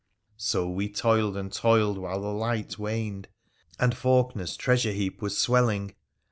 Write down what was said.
So we toiled, and toiled, while the light waned, and Faulkener's treasure heap was swelling.